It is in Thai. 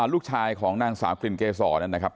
ลูกชายของนางสาวกลิ่นเกษรนะครับ